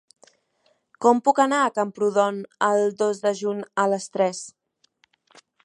Com puc anar a Camprodon el dos de juny a les tres?